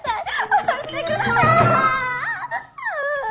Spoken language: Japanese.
下ろしてください！